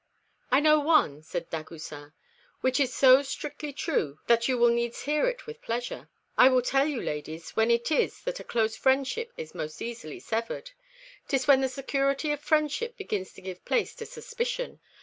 "I know one," said Dagoucin, "which is so strictly true that you will needs hear it with pleasure. I will tell you, ladies, when it is that a close friendship is most easily severed; 'tis when the security of friendship begins to give place to suspicion.